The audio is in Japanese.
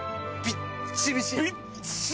びっちびち。